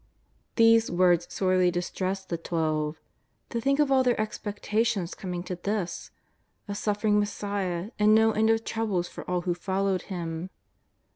These words sorely distressed the Twelve. To think of all their expectations coming to this — a suffering Messiah, and no end of troubles for all who followed Him